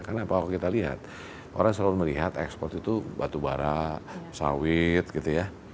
karena kalau kita lihat orang selalu melihat ekspor itu batu bara sawit gitu ya